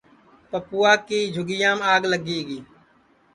پپوا کی جُھوپڑیام آگ لگی گی